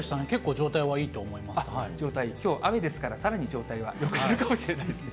状態いい、きょう雨ですからさらに状態がよくなるかもしれないですね。